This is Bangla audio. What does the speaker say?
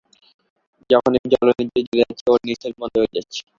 যখনই জলের নিচে নিয়ে যাচ্ছি, ওর নিশ্বাস বন্ধ হয়ে যাচ্ছে।